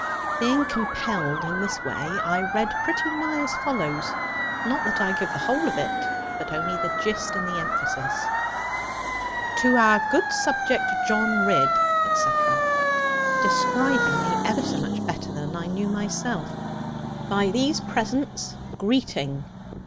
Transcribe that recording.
Being compelled in this way, I read pretty nigh as follows; not that I give the whole of it, but only the gist and the emphasis, 'To our good subject, John Ridd, etc.' describing me ever so much better than I knew myself 'by these presents, greeting.